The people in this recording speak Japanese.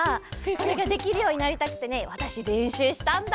これができるようになりたくてねわたしれんしゅうしたんだ。